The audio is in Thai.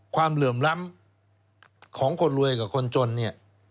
เหลื่อมล้ำของคนรวยกับคนจนเนี่ย